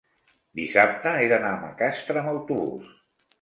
Dissabte he d'anar a Macastre amb autobús.